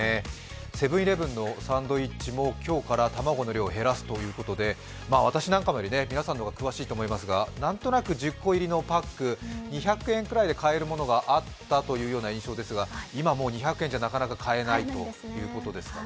セブン−イレブンのサンドイッチも今日から卵の量を減らすということで私なんかよりも皆さんの方が詳しいと思いますがなんとなく１０個入りのパック２００円くらいで買えるものがあったという印象ですが今もう２００円じゃなかなか買えないということですね。